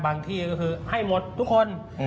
ที่ก็คือให้หมดทุกคน